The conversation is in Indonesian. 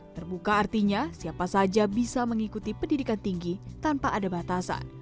terbuka artinya siapa saja bisa mengikuti pendidikan tinggi tanpa ada batasan